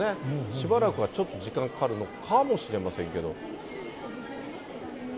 しばらくはちょっと時間かかるのかもしれませんけど。